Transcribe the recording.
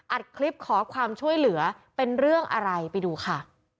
อัดคลิปขอความช่วยเหลือเป็นเรื่องอะไรไปดูค่ะ